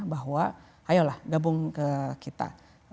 bahwa ayolah gabung ke kita